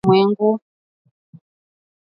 Aokoe ulimwengu.